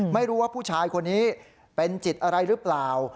ไม่รู้ว่าผู้ชายคนนี้เป็นจิตอะไรหรือเปล่า